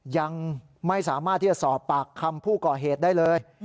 ยังไม่สามารถที่จะสอบปากคำผู้ก่อเหตุได้เลย